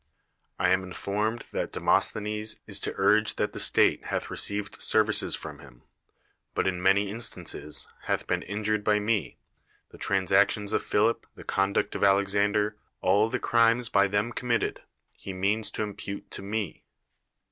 I am informed that Deinosthenc^s is t< uret.; that th(? state hath received sei \ ices from him, but in many instanees hath been injin ed by me; the transactions of l*hili[), the conduct of Alexander, all th<' crimes by tliem cominitted, he means to impute to me.